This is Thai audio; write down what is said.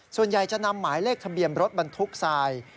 ส่วนใหญ่จะนำหมายเลขทะเบียนรถบรรทุกทราย